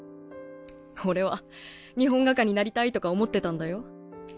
俺は日本画家になりたいとか思ってたんだよ。